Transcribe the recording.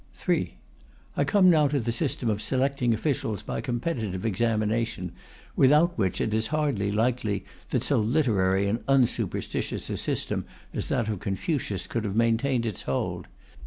3. I come now to the system of selecting officials by competitive examination, without which it is hardly likely that so literary and unsuperstitious a system as that of Confucius could have maintained its hold.